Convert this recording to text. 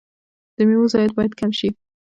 د میوو ضایعات باید کم شي.